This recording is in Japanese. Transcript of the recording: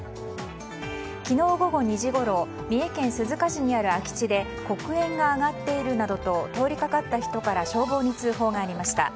昨日午後２時ごろ三重県鈴鹿市にある空き地で黒煙が上がっているなどと通りかかった人から消防に通報がありました。